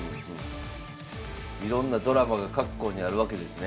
いろんなドラマが各校にあるわけですね。